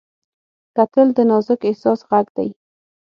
کتل د نازک احساس غږ دی